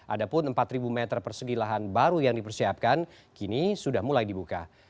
ada pun empat meter persegi lahan baru yang dipersiapkan kini sudah mulai dibuka